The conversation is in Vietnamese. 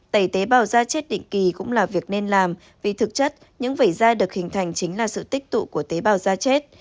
tẩy tế bào da chết định kỳ cũng là việc nên làm vì thực chất những vẩy da được hình thành chính là sự tích tụ của tế bào da chết